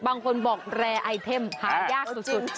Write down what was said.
บางคนบอกแรร์ไอเทมหายากสุด